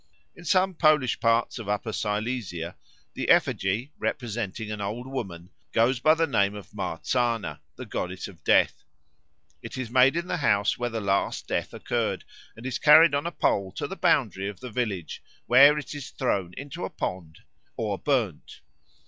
In some Polish parts of Upper Silesia the effigy, representing an old woman, goes by the name of Marzana, the goddess of death. It is made in the house where the last death occurred, and is carried on a pole to the boundary of the village, where it is thrown into a pond or burnt.